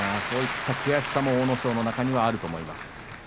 そういった悔しさも阿武咲の中にはあると思います。